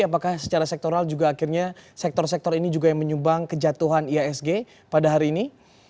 apakah secara sektoral juga akhirnya sektor sektor ini juga yang menyumbang kejatuhan ihsg pada hari ini